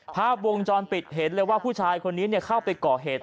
ภาพวงจรปิดเห็นเลยว่าผู้ชายคนนี้เข้าไปก่อเหตุ